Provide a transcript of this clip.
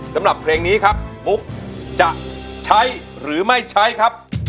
สำหรับเพลงนี้ครับปุ๊กจะใช้หรือไม่ใช้ครับ